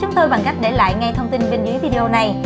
chúng tôi bằng cách để lại ngay thông tin bên dưới video này